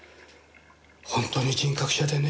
本当に人格者でね